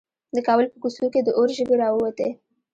د کابل په کوڅو کې د اور ژبې راووتې.